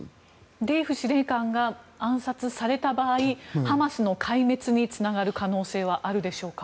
デイフ司令官が暗殺された場合ハマスの壊滅につながる可能性はあるでしょうか。